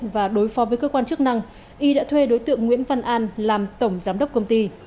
và đối phó với cơ quan chức năng y đã thuê đối tượng nguyễn văn an làm tổng giám đốc công ty